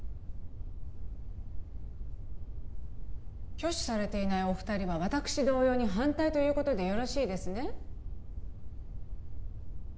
挙手されていないお二人は私同様に反対ということでよろしいですね